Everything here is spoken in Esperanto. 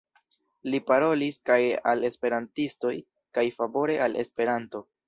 Li parolis kaj al Esperantistoj kaj favore al Esperanto.